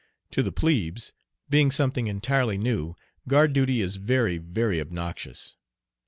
To the plebes, being something entirely new, guard duty is very, very obnoxious.